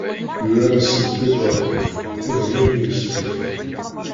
Yura-asent tibratin iḍelli mi yestufa.